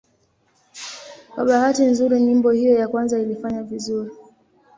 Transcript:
Kwa bahati nzuri nyimbo hiyo ya kwanza ilifanya vizuri.